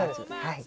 はい。